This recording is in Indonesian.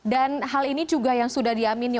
dan hal ini juga yang sudah diamini